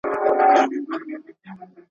د یوې شېبې وصال دی بس له نار سره مي ژوند دی